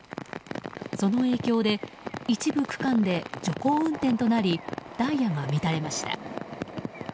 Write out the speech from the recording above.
その影響で一部区間で徐行運転となりダイヤが乱れました。